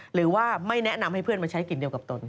หรือว่าไม่แนะนำให้เพื่อนมาใช้กลิ่นเดียวกับตน